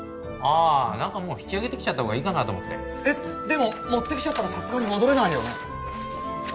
何かもう引き揚げてきちゃったほうがいいかなと思ってえっでも持ってきちゃったらさすがに戻れないよね？